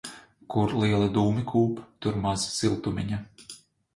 Kur lieli dūmi kūp, tur maz siltumiņa.